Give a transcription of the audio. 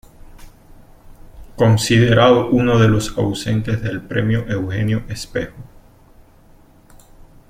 Considerado uno de los ausentes del premio Eugenio Espejo.